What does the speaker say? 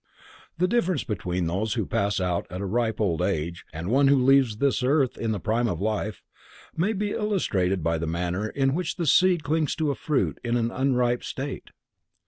The difference between those who pass out at a ripe old age, and one who leaves this earth in the prime of life, may be illustrated by the manner in which the seed clings to a fruit in an unripe state.